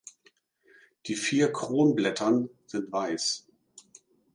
Die vier Kronblättern sind weiß.